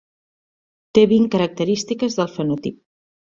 Té vint característiques del fenotip.